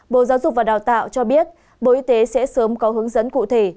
bộ giáo dục và đào tạo cho biết bộ y tế sẽ sớm có hướng dẫn cụ thể